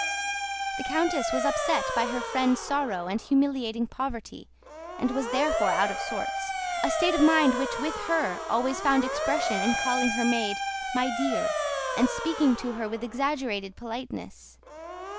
The countess was upset by her friend's sorrow and humiliating poverty, and was therefore out of sorts, a state of mind which with her always found expression in calling her maid "my dear" and speaking to her with exaggerated politeness.